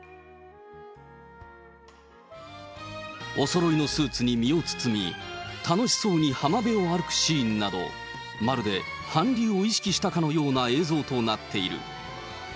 おそろいのスーツに身を包み、楽しそうに浜辺を歩くシーンなど、まるで韓流を意識したかのような映像となっている。